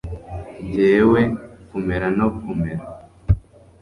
njyewe kumera no kumera